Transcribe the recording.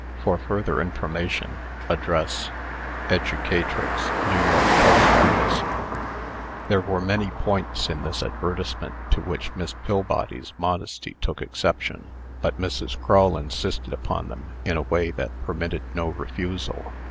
"For further information, address 'Educatrix, New York Post Office.'" There were many points in this advertisement to which Miss Pillbody's modesty took exception; but Mrs. Crull insisted upon them in a way that permitted no refusal.